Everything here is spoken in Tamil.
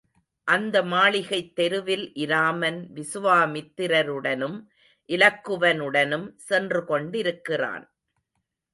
அந்த மாளிகைத் தெருவில் இராமன் விசுவாமித்திரருடனும் இலக்குவனுடனும் சென்று கொண்டிருக்கிறான்.